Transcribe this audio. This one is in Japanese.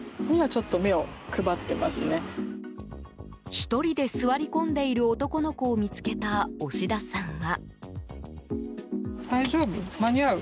１人で座り込んでいる男の子を見つけた押田さんは。